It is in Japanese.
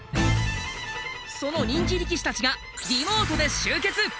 その人気力士たちがリモートで集結。